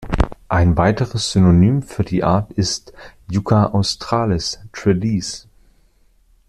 Ein weiteres Synonym für die Art ist "Yucca australis" Trelease.